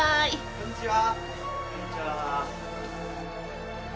こんにちは。